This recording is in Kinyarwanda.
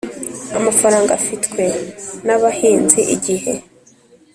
Amafaranga afitwe n abahinzi igihe